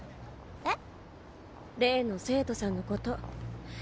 えっ？